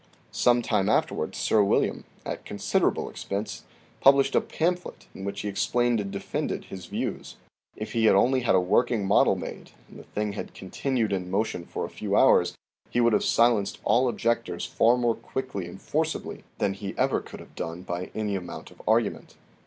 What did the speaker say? Some time afterwards Sir William, at considerable expense, published a pamphlet in which he explained and defended his views. If he had only had a working model made and the thing had continued in motion 56 THE SEVEN FOLLIES OF SCIENCE for a few hours, he would have silenced all objectors far more quickly and forcibly than he ever could have done by any amount of argument.